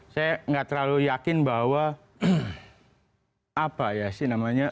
saya nggak terlalu yakin bahwa apa ya sih namanya